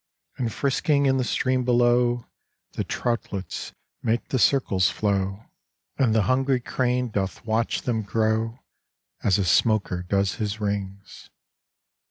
And frisking in the stream below The troutlets make the circles flow, 27 38 BEHIND THE CLOSED EYE And the hungry crane doth watch them grow As a smoker does his rings.